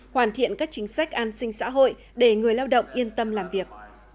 hoàn thiện các chính sách an sinh xã hội để người lao động yên tâm làm việc